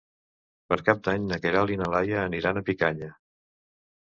Per Cap d'Any na Queralt i na Laia aniran a Picanya.